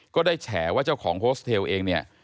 ก็ได้แฉว่าเจ้าของโฮสเทลเอง